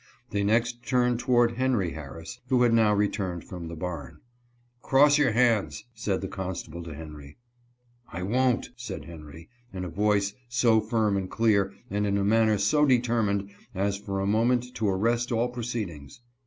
They next turned toward Henry Harris, who had now returned from the barn. "Cross your hands," said the constable to Henry. "I won't," said Henry, in a voice so firm and clear, and in a manner so determined, as for a moment to arrest all proceedings.